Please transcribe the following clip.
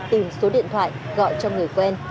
tìm số điện thoại gọi cho người quen